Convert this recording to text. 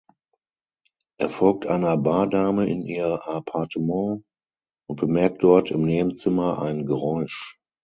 Er folgt einer Bardame in ihr Appartement und bemerkt dort im Nebenzimmer ein Geräusch.